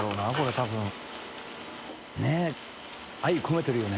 市村）ねぇ愛込めてるよね。